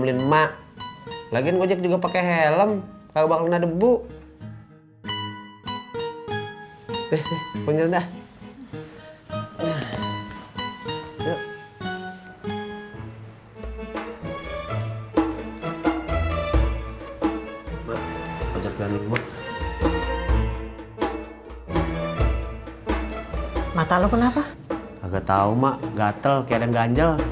sampai jumpa di video selanjutnya